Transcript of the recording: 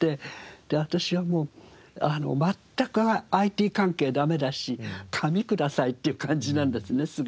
で私はもう全くＩＴ関係駄目だし「紙ください」っていう感じなんですねすぐ。